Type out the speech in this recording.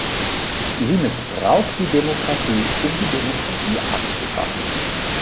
Sie missbraucht die Demokratie, um die Demokratie abzuschaffen.